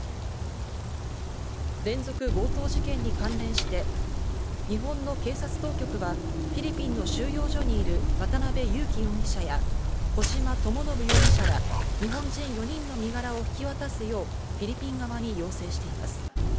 連続強盗事件に関連して、日本の警察当局はフィリピンの収容所にいる渡辺優樹容疑者や、小島智信容疑者ら日本人４人の身柄を引き渡すようフィリピン側に要請しています。